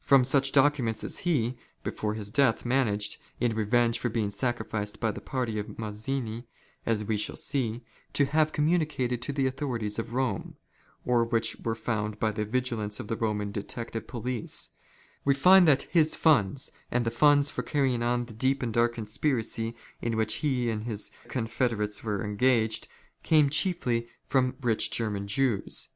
From such documents as he, before his death, managed, in revenge for being sacrificed by the party of Mazzini, as we shall see, to have communicated to the authorities of Eome ; or which were found by the vigilance of the Roman detective police ; we find that his funds, and the funds for carrying on the deep and dark conspiracy in which he and his confederates were engaged, came chiefly from rich German Jews.